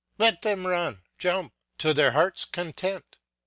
Let them run, jump, and shout to their heart's content.